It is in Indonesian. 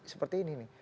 seperti ini nih